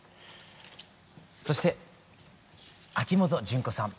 そして秋元順子さん